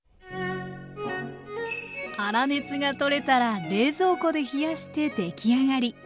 粗熱がとれたら冷蔵庫で冷やして出来上がり。